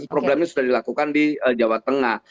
programnya sudah dilakukan di jawa tengah